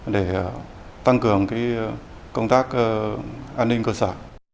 để tăng cường công tác an ninh cơ sở